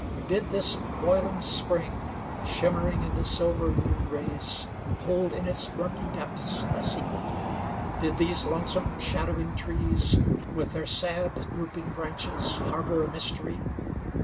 Did this boiling spring, shimmering in the sliver moon rays, hold in its murky depths a secret? Did these lonesome, shadowing trees, with their sad drooping branches, harbor a mystery?